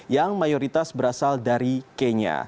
yang mayoritas berasal dari kenya